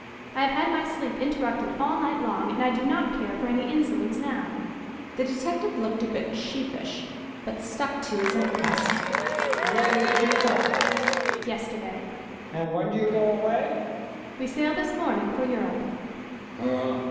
I have had my sleep interrupted all night long, and I do not care for any insolence now." The detective looked a bit sheepish, but stuck to his inquest. "When did you come?" "Yesterday." "And when do you go away?" "We sail this morning for Europe."